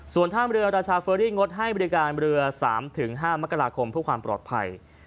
ส่วนท่ามเรือราชาเฟอรี่งดให้บริการเรือ๓๕มกราคมเพื่อความปลอดภัย